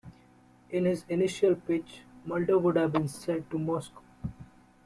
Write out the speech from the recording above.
In his initial pitch, Mulder would have been sent to Moscow.